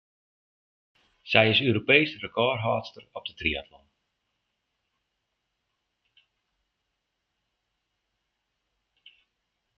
Sy is Europeesk rekôrhâldster op de triatlon.